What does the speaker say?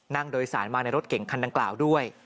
นั่งโดยสารมาในรถเก่งคันดังกล่าวด้วย